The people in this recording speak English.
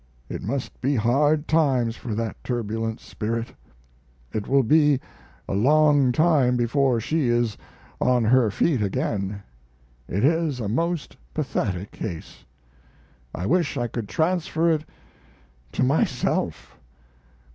It must be hard times for that turbulent spirit. It will be a long time before she is on her feet again. It is a most pathetic case. I wish I could transfer it to myself.